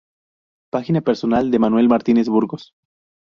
Página personal de Manuel Martínez Burgos